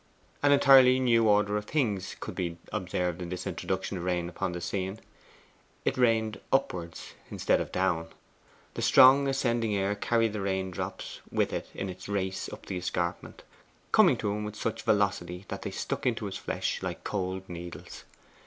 An entirely new order of things could be observed in this introduction of rain upon the scene. It rained upwards instead of down. The strong ascending air carried the rain drops with it in its race up the escarpment, coming to him with such velocity that they stuck into his flesh like cold needles.